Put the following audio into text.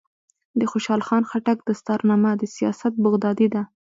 د خوشحال خان خټک دستارنامه د سیاست بغدادي ده.